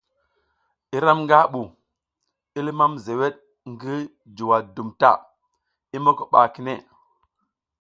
Iram nga bu, i limam zewed ngi juwa dum ta, i moko ba kine.